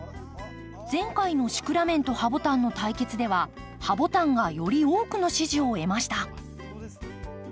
前回のシクラメンとハボタンの対決ではハボタンがより多くの支持を得ました。